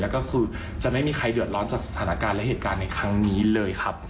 แล้วก็คือจะไม่มีใครเดือดร้อนจากสถานการณ์และเหตุการณ์ในครั้งนี้เลยครับ